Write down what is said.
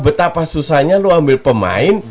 betapa susahnya lo ambil pemain